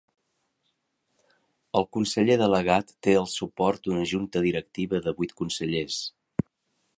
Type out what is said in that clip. El conseller delegat té el suport d'una junta directiva de vuit consellers.